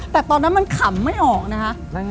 แต่ตอนนั้นมันขำไม่ออกนะคะ